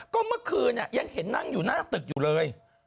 ก็เมื่อคืนยังเห็นนั่งอยู่หน้าตึกอยู่เลย